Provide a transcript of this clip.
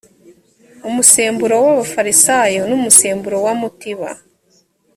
umusemburo w abafarisayo n umusemburo wa mutiba